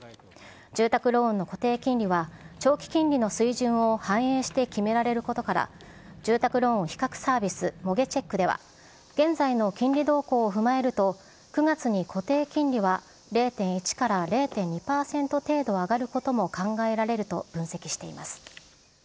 住宅ローンの固定金利は長期金利の水準を反映して決められることから、住宅ローン比較サービス、モゲチェックでは、現在の金利動向を踏まえると、９月に固定金利は０．１から０．２％程度上がることも考えられると分析しています。